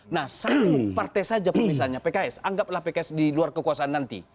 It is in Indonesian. nah satu partai saja misalnya pks anggaplah pks di luar kekuasaan nanti